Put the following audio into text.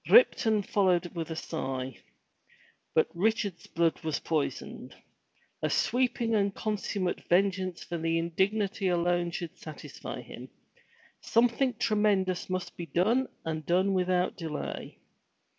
Ripton followed with a sigh. But Richard's blood 230 FROM THE TOWER WINDOW was poisoned. A sweeping and consummate vengeance for the indignity alone should satisfy him. Something tremendous must be done and done without delay.